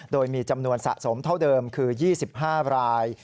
โดยมีจำนวนสะสมเท่าเดิมคือ๒๕ราย